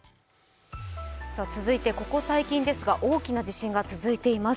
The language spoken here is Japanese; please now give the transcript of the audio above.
続いて、ここ最近ですが大きな地震が続いています。